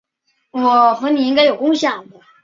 本路线曾因班次少而饱受乘客诟病。